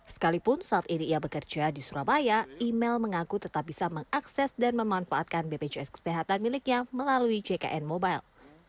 sekalipun saat ini ia bekerja di surabaya email mengaku tetap bisa mengakses dan memanfaatkan bpjs kesehatan miliknya melalui jkn mobile